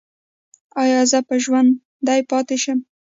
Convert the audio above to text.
ایا زه به ژوندی پاتې شم؟